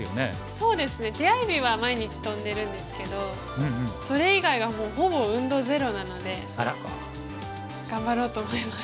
そうですね手合日は毎日跳んでるんですけどそれ以外はほぼ運動ゼロなので頑張ろうと思います。